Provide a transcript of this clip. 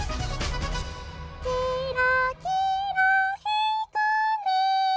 「きらきらひかる」